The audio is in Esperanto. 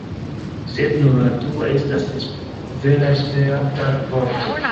Sed nur la dua estas vera Esperanta vorto.